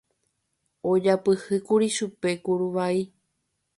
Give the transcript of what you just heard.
ojapyhýkuri chupe kuruvai